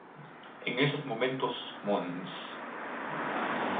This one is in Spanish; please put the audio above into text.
En esos momentos Mons.